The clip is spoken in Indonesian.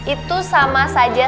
itu sama saja